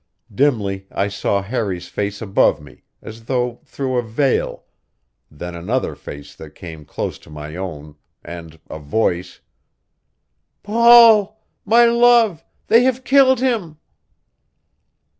Dimly I saw Harry's face above me, as though through a veil then another face that came close to my own and a voice: "Paul! My love! They have killed him!"